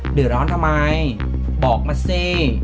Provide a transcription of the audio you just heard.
เดือดร้อนทำไมบอกมาสิ